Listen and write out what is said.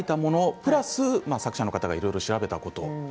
プラス作者の方がいろいろ調べたこと。